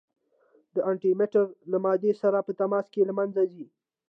د انټي مټر له مادې سره په تماس کې له منځه ځي.